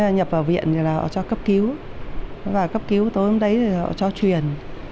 nhập vào viện thì họ cho cấp cứu cấp cứu tối hôm đấy thì họ cho truyền